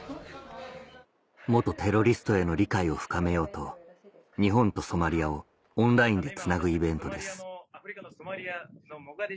元テロリストへの理解を深めようと日本とソマリアをオンラインでつなぐイベントです